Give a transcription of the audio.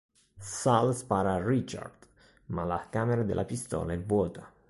Sal spara a Richard, ma la camera della pistola è vuota.